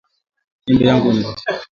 Jembe yangu inavunjika